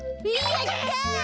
やった！